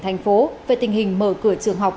thành phố về tình hình mở cửa trường học